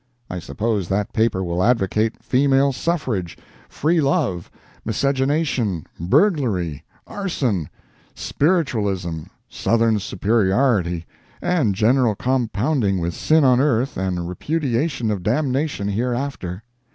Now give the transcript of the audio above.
I suppose that paper will advocate Female Suffrage, Free Love, Miscegenation, Burglary, Arson, Spiritualism, Southern Superiority, and general compounding with sin on earth and repudiation of damnation hereafter.